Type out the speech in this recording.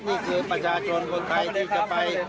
นี่คือประชานทรนคนไทย